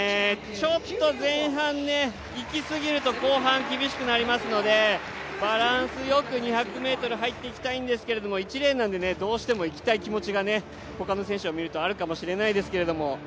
ちょっと、前半いきすぎると後半厳しくなりますのでバランスよく２００ｍ入っていきたいんですけど、１レーンなんでね、どうしても行きたい気持ちが他の選手を見るとあるかもしれないですけど